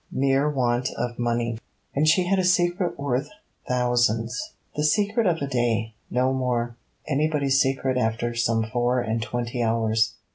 Mere want of money. And she had a secret worth thousands! The secret of a day, no more: anybody's secret after some four and twenty hours.